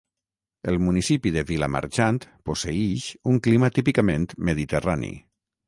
El municipi de Vilamarxant posseïx un clima típicament mediterrani.